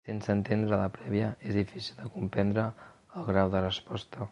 Sense entendre la prèvia és difícil de comprendre el grau de resposta.